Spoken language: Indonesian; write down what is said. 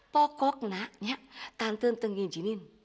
pokoknya tante ntunginjinin